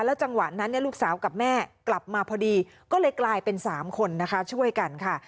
จังหวะนั้นลูกสาวกับแม่กลับมาพอดีก็เลยกลายเป็น๓คนนะคะช่วยกันค่ะ